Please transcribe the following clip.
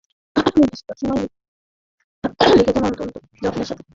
তিনি বেশিরভাগ সময়েই লিখেছেন অত্যন্ত যত্নের সাথে, লেখার পরিমার্জনা করেছেন বারবার।